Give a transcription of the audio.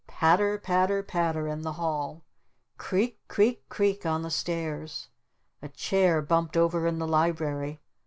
Patter Patter Patter in the hall! Creak Creak Creak on the stairs! A chair bumped over in the Library!